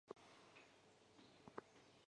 藏南风铃草为桔梗科风铃草属的植物。